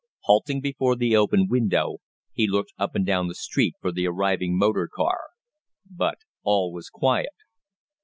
Halting before the open window, he looked up and down the street for the arriving motor car. But all was quiet.